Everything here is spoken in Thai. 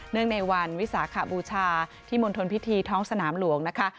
ในวันวิสาขบูชาที่มณฑลพิธีท้องสนามหลวงนะคะ